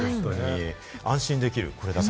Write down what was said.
安心できる。